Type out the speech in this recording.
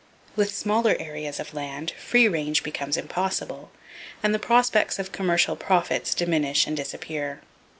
With smaller areas of land, free range [Page 371] becomes impossible, and the prospects of commercial profits diminish and disappear.